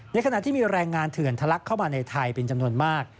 ขณะที่มีแรงงานเถื่อนทะลักเข้ามาในไทยเป็นจำนวนมาก